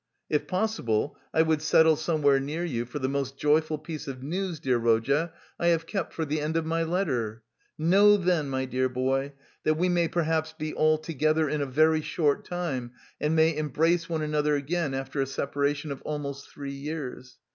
If possible, I would settle somewhere near you, for the most joyful piece of news, dear Rodya, I have kept for the end of my letter: know then, my dear boy, that we may, perhaps, be all together in a very short time and may embrace one another again after a separation of almost three years!